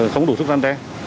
không đủ sức gian đe